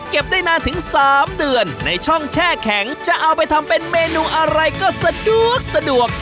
ได้นานถึง๓เดือนในช่องแช่แข็งจะเอาไปทำเป็นเมนูอะไรก็สะดวกสะดวก